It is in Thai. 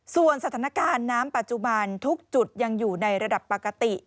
ส่วนสถานการณ์น้ำปัจจุบันทุกจุดยังอยู่ในระดับปกติ